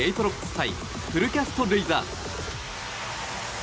対フルキャスト・レイザーズ。